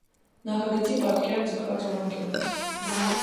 Նախագծի պատկերը ձգված ուղղանկյուն է։